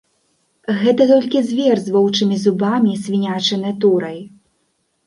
Гэта толькі звер з воўчымі зубамі і свінячай натурай.